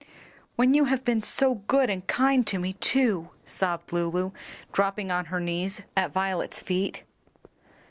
when you have been so good and kind to me too," sobbed Lulu, dropping on her knees at Violet's feet.